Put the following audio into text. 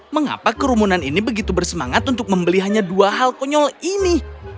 mengapa kerumunan ini begitu bersemangat untuk membeli hanya dua hal konyol ini